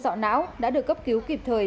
sọ não đã được cấp cứu kịp thời